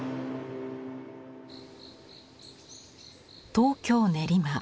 東京練馬。